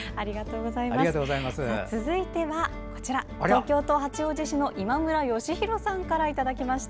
続いては東京都八王子市の今村禎宏さんからいただきました。